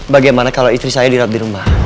bagaimana kalau istri saya dirawat di rumah